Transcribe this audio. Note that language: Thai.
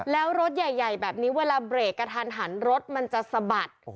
แล้วรถใหญ่แบบนี้เวลาเบรกกระทันหันรถมันจะสะบัด